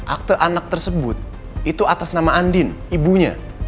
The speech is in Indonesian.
akte anak tersebut itu atas nama andin ibunya